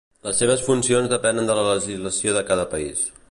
Les seves funcions depenen de la legislació de cada país.